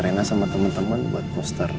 rena sama temen temen buat poster